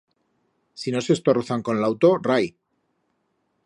Si no s'estorrozan con l'auto, rai.